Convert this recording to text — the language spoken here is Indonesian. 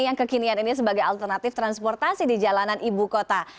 yang kekinian ini sebagai alternatif transportasi di jalanan ibu kota